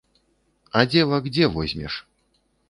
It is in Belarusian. А дзевак дзе возьмеш?